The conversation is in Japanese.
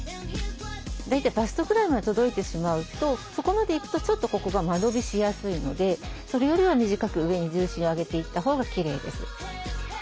大体バストぐらいまで届いてしまうとそこまでいくとちょっとここが間延びしやすいのでそれよりは短く上に重心を上げていったほうがきれいです。